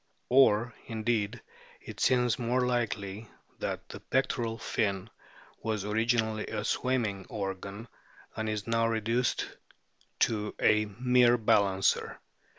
Or, indeed, it seems more likely that the pectoral fin was originally a swimming organ, and is now reduced to a mere balancer.